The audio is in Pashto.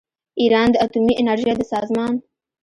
ایران د اتومي انرژۍ د سازمان